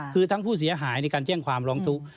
คือทั้งผู้เสียหายในการแจ้งความร้องทุกข์